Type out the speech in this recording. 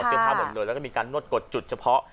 ผ้าหมดเลยแล้วก็มีการนวดกดจุดเฉพาะ